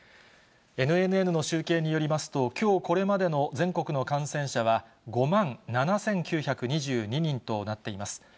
ＮＮＮの集計によりますと、きょうこれまでの全国の感染者は、５万７９２２人となっています。